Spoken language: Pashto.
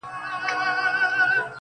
ي په تیاره کي د سهار د راتلو زېری کوي